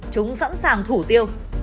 chúng sẵn sàng thủ tiêu